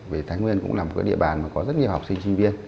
vì thái nguyên cũng là một cái địa bàn mà có rất nhiều học sinh sinh viên